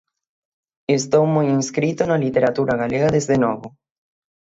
Estou moi inscrito na literatura galega desde novo.